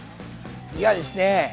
次はですね